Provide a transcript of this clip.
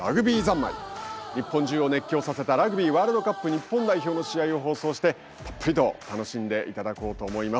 日本中を熱狂させたラグビーワールドカップ日本代表の試合を放送してたっぷりと楽しんでいただこうと思います。